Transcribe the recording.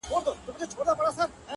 • مينه مني ميني څه انكار نه كوي ـ